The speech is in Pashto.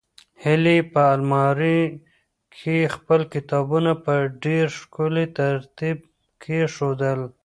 هیلې په المارۍ کې خپل کتابونه په ډېر ښکلي ترتیب کېښودل.